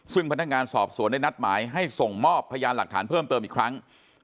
ซึ่งพนักงานสอบสวนได้นัดหมายให้ส่งมอบพยานหลักฐานเพิ่มเติมอีกครั้ง